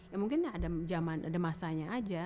ya mungkin ada masanya aja